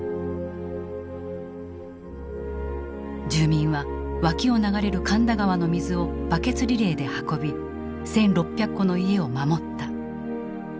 住民は脇を流れる神田川の水をバケツリレーで運び１，６００戸の家を守った。